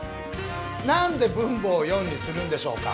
なんで分母を４にするんでしょうか？